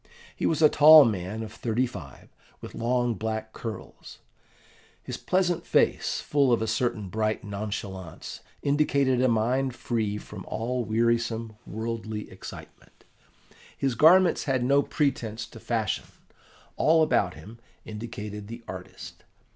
He was a tall man of thirty five, with long black curls. His pleasant face, full of a certain bright nonchalance, indicated a mind free from all wearisome, worldly excitement; his garments had no pretence to fashion: all about him indicated the artist.